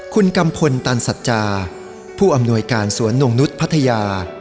คุณกัมพลตันสัจจาผู้อำนวยการสวนนงนุษย์พัทยา